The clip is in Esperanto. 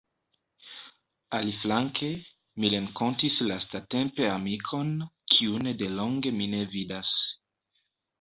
Aliflanke, mi renkontis lastatempe amikon, kiun delonge mi ne vidas.